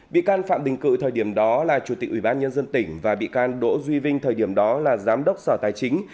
bị can phạm đình cự thời điểm đó là chủ tịch ủy ban nhân dân tỉnh và bị can đỗ duy vinh thời điểm đó là giám đốc sở tài chính